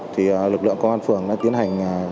thì lực lượng công an phường đã tiến hành